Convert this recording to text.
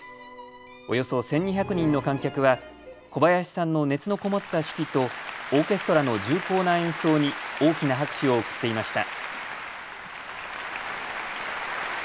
およそ１２００人の観客は小林さんの熱のこもった指揮とオーケストラの重厚な演奏に大きな拍手を送っていました。